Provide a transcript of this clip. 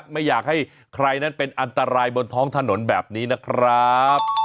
ไม่อยากให้ใครนั้นเป็นอันตรายบนท้องถนนแบบนี้นะครับ